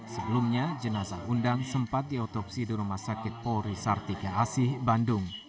sebelumnya jenazah undang sempat diotopsi di rumah sakit polri sartika asih bandung